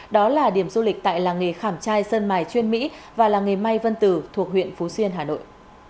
đó là điểm du lịch tại làng nghề khảm trai sơn mài chuyên mỹ và làng nghề may vân tử thuộc huyện phú xuyên hà nội